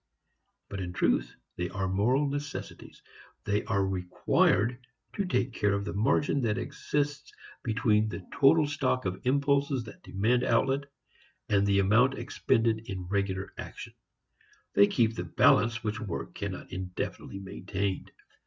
But in truth they are moral necessities. They are required to take care of the margin that exists between the total stock of impulses that demand outlet and the amount expended in regular action. They keep the balance which work cannot indefinitely maintain.